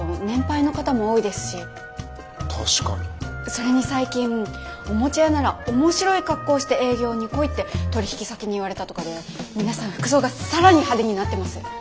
それに最近おもちゃ屋なら面白い格好して営業に来いって取引先に言われたとかで皆さん服装が更に派手になってます。